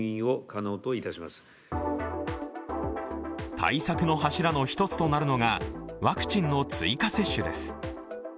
対策の柱の一つとなるのがワクチンの追加接種です。